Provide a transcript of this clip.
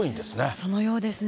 そのようですね。